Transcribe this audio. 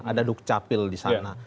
ada dukcapil di sana